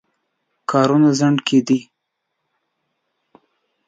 کارونو خنډ کېدی.